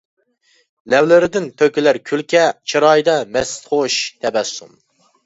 لەۋلىرىدىن تۆكۈلەر كۈلكە، چىرايىدا مەستخۇش تەبەسسۇم.